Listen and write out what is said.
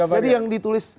jadi yang ditulis